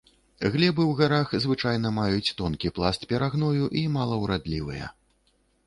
Глебы ў гарах звычайна маюць тонкі пласт перагною і малаўрадлівыя.